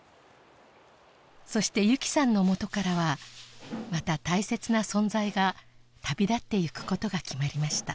そして由起さんの元からはまた大切な存在が旅立っていくことが決まりました